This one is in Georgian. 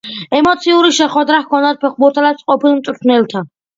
ემოციური შეხვედრა ჰქონდათ ფეხბურთელებს ყოფილ მწვრთნელთან.